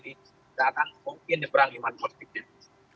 tidak akan mungkin nyeberang iman positifnya